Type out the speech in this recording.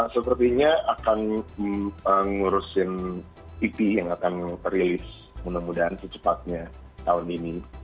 sepertinya akan ngurusin ip yang akan terilis mudah mudahan secepatnya tahun ini